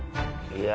いや。